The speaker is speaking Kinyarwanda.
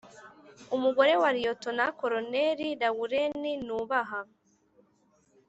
umugore wa liyetona koloneli lawurenti nubaha.